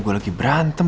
gue lagi berantem